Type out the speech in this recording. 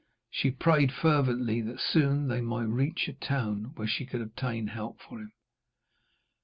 She prayed fervently that soon they might reach a town where she could obtain help for him.